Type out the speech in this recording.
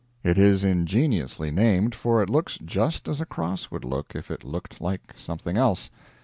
It is ingeniously named, for it looks just as a cross would look if it looked like something else.